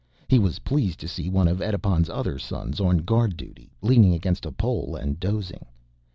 He was pleased to see one of Edipon's other sons on guard duty, leaning against a pole and dozing.